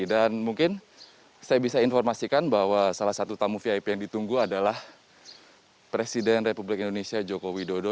dan mungkin saya bisa informasikan bahwa salah satu tamu vip yang ditunggu adalah presiden republik indonesia joko widodo